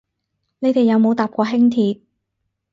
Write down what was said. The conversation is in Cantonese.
你哋有冇搭過輕鐵